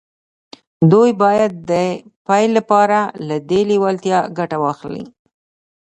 دوی باید د پیل لپاره له دې لېوالتیا ګټه واخلي